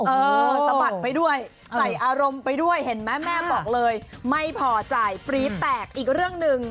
เออสะบัดไปด้วยใส่อารมณ์ไปด้วยเห็นไหมแม่บอกเลยไม่พอใจปรี๊แตกอีกเรื่องหนึ่ง